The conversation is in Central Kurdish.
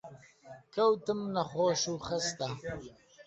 کەوتم نەخۆش و خەستە